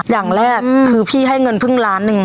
อย่างแรกคือพี่ให้เงินเพิ่งล้านหนึ่ง